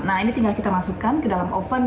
nah ini tinggal kita masukkan ke dalam oven